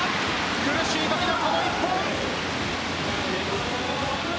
苦しいときのこの１本。